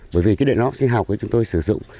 bởi vì cái đệm lót sinh học chúng tôi sử dụng